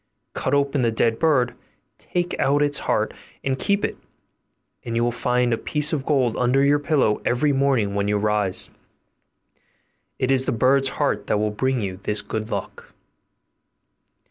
Cut open the dead bird, take out its heart and keep it, and you will find a piece of gold under your pillow every morning when you rise. It is the bird's heart that will bring you this good luck.